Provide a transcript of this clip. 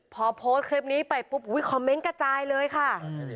พอโพสต์คลิปนี้ไปปุ๊บอุ๊ยคอมเมนต์กระจายเลยค่ะ